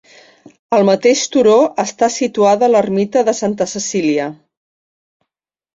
Al mateix turó està situada l'ermita de Santa Cecília.